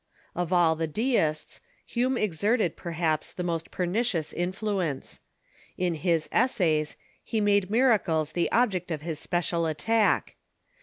Of all the Deists, Hume exerted, perhaps, the most pernicious influence. In his " Essays " he made miracles the object of his special attack.